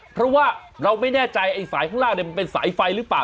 เพราะว่าเราไม่แน่ใจไอ้สายข้างล่างมันเป็นสายไฟหรือเปล่า